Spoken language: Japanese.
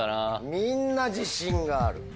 みんな自信がある。